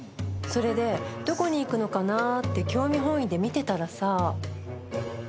それでどこに行くのかなって興味本位で見てたらさ。